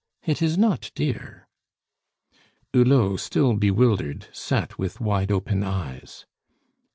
It is not dear." Hulot, still bewildered, sat with wide open eyes.